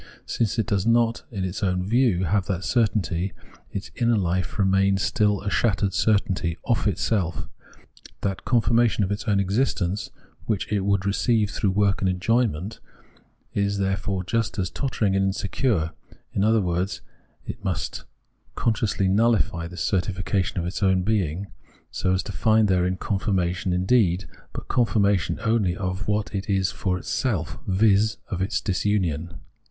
Since it does not in its own view have that certainty, its inner hfe really remains still a shattered certainty of itself ; that confirmation of its own existence which it would receive through work and enjoyment, is, therefore, just as tottering and insecure ; in other words, it must con sciously nulhfy this certification of its own being, so as VOL. I.— P 210 Phenomenology of Mind to find therein confiimation indeed, but confirmation only of what it is for itself, viz. of its disunion.